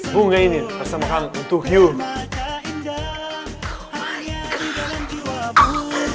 bunga ini sangat untuk you